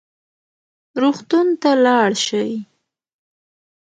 روغتون ته لاړ شئ